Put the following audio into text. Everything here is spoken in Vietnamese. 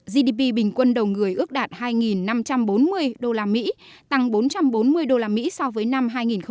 gdp bình quân đầu người ước đạt hai năm trăm bốn mươi usd tăng bốn trăm bốn mươi usd so với năm hai nghìn một mươi bảy